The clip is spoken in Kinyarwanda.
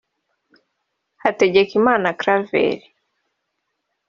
Hategekimana Claver